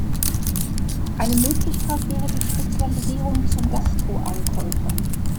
Eine Möglichkeit wäre die Spezialisierung zum Gastro-Einkäufer.